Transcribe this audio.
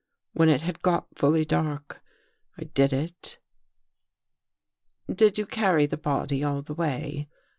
When it had got fully dark, I did it." "Did you carry the body all the way?"